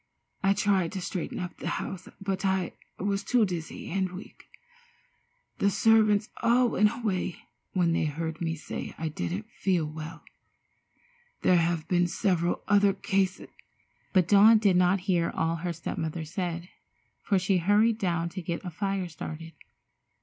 I tried to straighten up the house, but I was too dizzy and weak. The servants all went away when they heard me say I didn't feel well. There have been several other cases——" But Dawn did not hear all her step mother said, for she had hurried down to get a fire started.